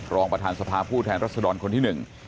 รองประธานสภาผู้แทนรัศดรคนที่หนึ่ง